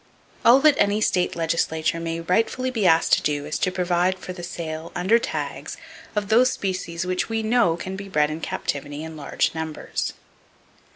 All that any state legislature may rightfully be asked to do is to [Page 370] provide for the sale, under tags, of those species which we know can be bred in captivity in large numbers.